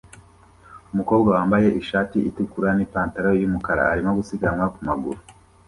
Umukobwa wambaye ishati itukura nipantaro yumukara arimo gusiganwa ku maguru